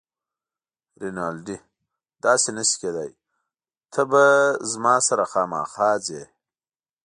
رینالډي: داسې نه شي کیدای، ته به له ما سره خامخا ځې.